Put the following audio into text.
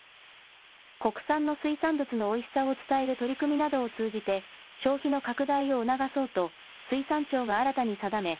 国産の水産物のおいしさを伝える取り組みなどを通じて消費の拡大を促そうと水産庁が新たに定め